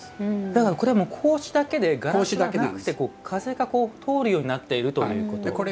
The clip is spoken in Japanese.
だからこれは格子だけでガラスがなくて風が通るようになっているということなんですか？